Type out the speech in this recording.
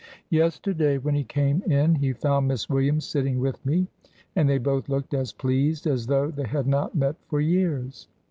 "Yesterday when he came in he found Miss Williams sitting with me, and they both looked as pleased as though they had not met for years.